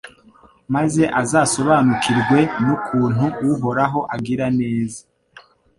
maze azasobanukirwe n’ukuntu Uhoraho agira neza